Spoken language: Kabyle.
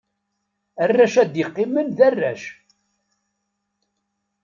Arrac ad qqimen d arrac.